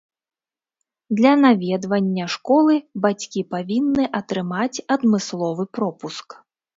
Для наведвання школы бацькі павінны атрымаць адмысловы пропуск.